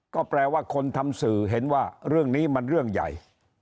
ก็แปลว่าคนทำสื่อเห็นว่าเรื่องนี้มันเรื่องใหญ่